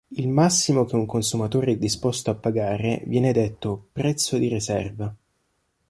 Il massimo che un consumatore è disposto a pagare viene detto "prezzo di riserva".